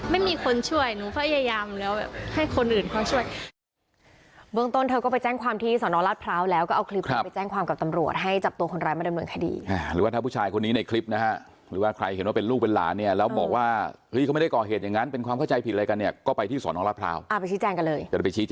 ไม่มีคนช่วยหนูพยายามแล้วให้คนอื่นเขาช่วย